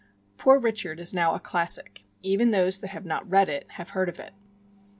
"Poor Richard" is now a "classic"; even those that have not read it have heard of it.